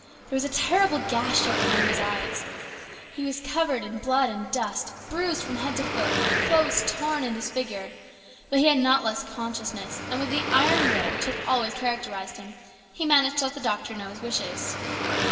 There was a terrible gash over one of his eyes. He was covered with blood and dust, bruised from head to foot, with clothes torn and disfigured ; but he had not lost consciousness, and with the iron will which had always characterised him he managed to let the doctor know his wishes."